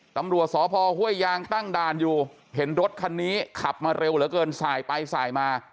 ตำรวจสพห้วยยางตั้งด่านอยู่เห็นรถคันนี้ขับมาเร็วเหลือเกินสายไปสายมา